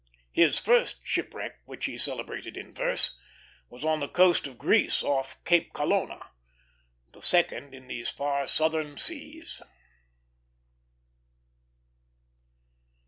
His first shipwreck, which he celebrated in verse, was on the coast of Greece, off Cape Colonna; the second in these far southern seas.